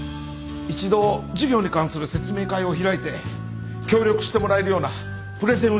一度事業に関する説明会を開いて協力してもらえるようなプレゼンをしたいと思います。